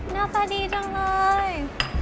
น่ากล้าดีจังเลย